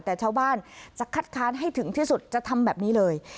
แต่ชาวบ้านจะคัดค้านให้ถึงที่สุดจะทำแบบนี้เลย